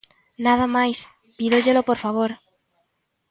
Nada máis, pídollelo por favor.